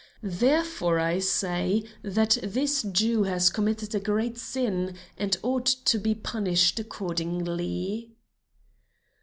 Therefore, I say that this Jew has committed a great sin and ought to be punished accordingly."